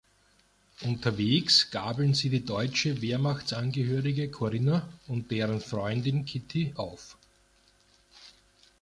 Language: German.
Unterwegs gabeln sie die deutsche Wehrmachtsangehörige Corinna und deren Freundin Kitty auf.